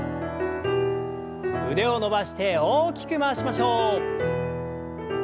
腕を伸ばして大きく回しましょう。